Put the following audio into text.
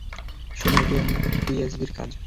শোনো, এটা এনটিএসবি এর কাজ।